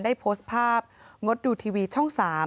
ได้โพสต์ภาพงดดูทีวีช่อง๓